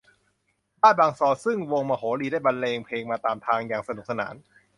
บ้านบางซอซึ่งวงมโหรีได้บรรเลงเพลงมาตามทางอย่างสนุกสนาน